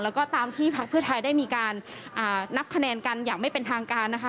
แล้วก็ตามที่พักเพื่อไทยได้มีการนับคะแนนกันอย่างไม่เป็นทางการนะคะ